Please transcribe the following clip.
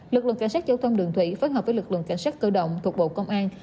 lực lượng cảnh sát giao thông đường thủy phối hợp với lực lượng cảnh sát cơ động thuộc bộ công an